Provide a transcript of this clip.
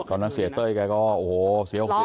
ตอนนั้นเสียเต้ยแกก็โอ้โหเสียโอกาส